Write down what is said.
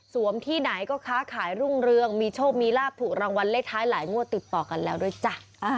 ที่ไหนก็ค้าขายรุ่งเรืองมีโชคมีลาบถูกรางวัลเลขท้ายหลายงวดติดต่อกันแล้วด้วยจ้ะ